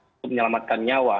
untuk menyelamatkan nyawa